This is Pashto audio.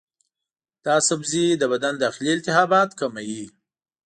دا سبزی د بدن داخلي التهابات کموي.